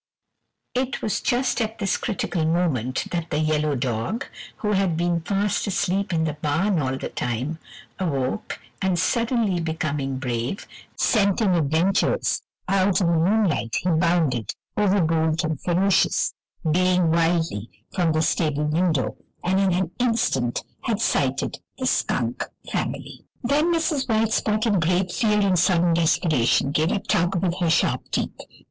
It was just at this critical moment that the yellow dog, who had been fast asleep in the barn all the time, awoke and, suddenly becoming brave, scenting adventures, out in the moonlight, he bounded, overbold and ferocious, baying wildly, from the stable window, and in an instant had sighted the skunk family. Then Mrs. White Spot in great fear and sudden desperation gave a tug with her sharp teeth.